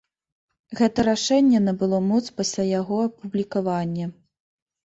Гэта рашэнне набыло моц пасля яго апублікавання.